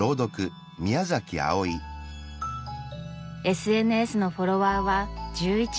ＳＮＳのフォロワーは１１万人。